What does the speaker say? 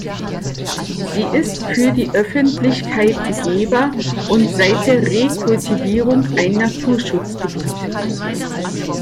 Sie ist für die Öffentlichkeit begehbar und seit der Rekultivierung ein Naturschutzgebiet.